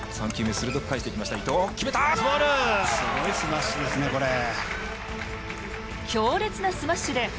すごいスマッシュですね。